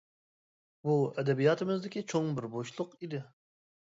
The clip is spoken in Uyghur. بۇ ئەدەبىياتىمىزدىكى چوڭ بىر بوشلۇق ئىدى.